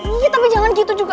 ih tapi jangan gitu juga